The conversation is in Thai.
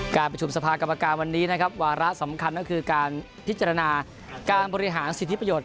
การประชุมสภากรรมการวันนี้นะครับวาระสำคัญก็คือการพิจารณาการบริหารสิทธิประโยชน